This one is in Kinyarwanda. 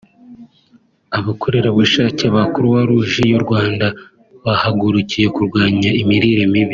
Abakorerabushake ba Croix-Rouge y’u Rwanda bahagurukiye kurwanya imirire mibi